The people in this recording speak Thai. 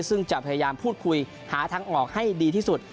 ซึ่งจะพยายามพูดคุยหาทางออกให้ดีที่สุด